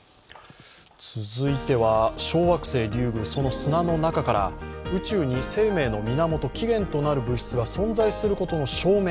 続いては小惑星リュウグウ、その砂の中から宇宙に声明の源、起源となる物質が存在することの証明